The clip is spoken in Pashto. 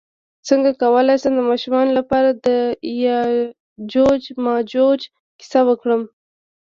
څنګه کولی شم د ماشومانو لپاره د یاجوج ماجوج کیسه وکړم